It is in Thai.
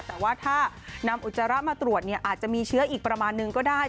แต่ว่าถ้านำอุจจาระมาตรวจเนี่ยอาจจะมีเชื้ออีกประมาณนึงก็ได้